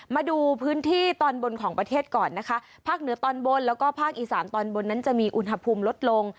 มาดูพื้นที่ตอนบนของประเทศก่อนนะคะภาคเหนือตอนบนแล้วก็ภาคอีสานตอนบนนั้นจะมีอุณหภูมิลดลง